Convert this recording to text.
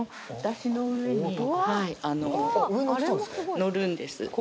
乗るんです。